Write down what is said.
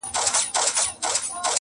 • چي ویل به مي سبا درڅخه ځمه -